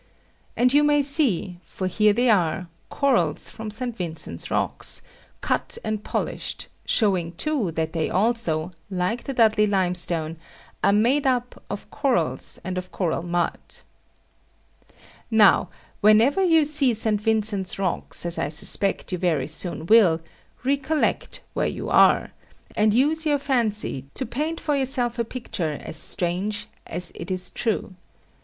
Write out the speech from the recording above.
And you may see, for here they are, corals from St. Vincent's Rocks, cut and polished, showing too that they also, like the Dudley limestone, are made up of corals and of coral mud. Now, whenever you see St. Vincent's Rocks, as I suspect you very soon will, recollect where you are, and use your fancy, to paint for yourself a picture as strange as it is true.